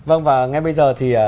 vâng và ngay bây giờ thì